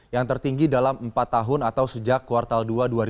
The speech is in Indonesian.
yang tertinggi dalam empat tahun atau sejak kuartal dua dua ribu dua puluh